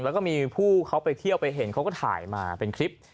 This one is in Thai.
แล้วก็มีผู้เขาไปเที่ยวไปเห็นเขาก็ถ่ายมาเป็นคลิป